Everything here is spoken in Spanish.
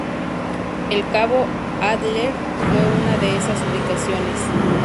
El Cabo Ádler fue una de esas ubicaciones.